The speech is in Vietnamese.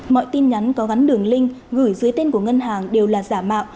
mọi tin nhắn có gắn đường link gửi dưới tên của ngân hàng đều là giả mạo